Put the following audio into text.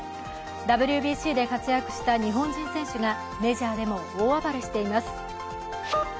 ＷＢＣで活躍した日本人選手がメジャーでも大暴れしています。